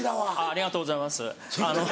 ありがとうございます。